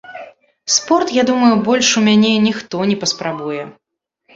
Спорт, я думаю, больш у мяне ніхто не паспрабуе.